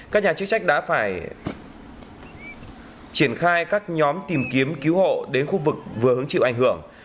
các nhà chức trách đã phải triển khai các nhóm tìm kiếm cứu hộ đến khu vực vừa hứng chịu ảnh hưởng